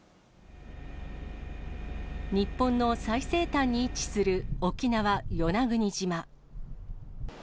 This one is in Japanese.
日本の最西端に位置する沖縄・与那国島。